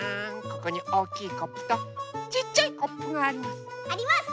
ここにおおきいコップとちっちゃいコップがあります。